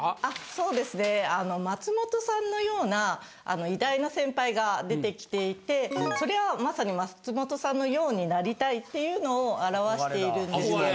そうですね松本さんのような偉大な先輩が出てきていてそれはまさに松本さんのようになりたいっていうのを表しているんですけれども。